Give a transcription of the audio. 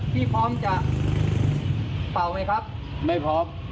พี่พร้อมจะเป่าไหมครับ